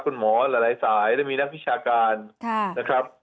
คุณหมอหลายหลายสายแล้วมีนักพิชาการค่ะนะครับ